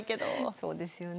そうですよね。